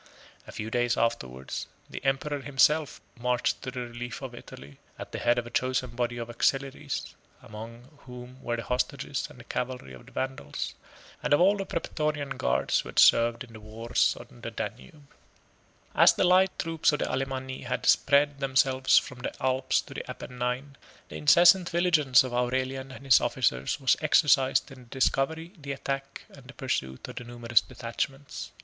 A few days afterwards, the emperor himself marched to the relief of Italy, at the head of a chosen body of auxiliaries, (among whom were the hostages and cavalry of the Vandals,) and of all the Prætorian guards who had served in the wars on the Danube. 33 32 (return) [ Hist. August. p. 215.] 33 (return) [ Dexippus, p. 12.] As the light troops of the Alemanni had spread themselves from the Alps to the Apennine, the incessant vigilance of Aurelian and his officers was exercised in the discovery, the attack, and the pursuit of the numerous detachments.